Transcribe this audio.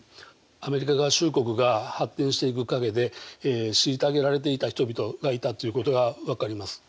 アメリカ合衆国が発展していく陰で虐げられていた人々がいたということが分かります。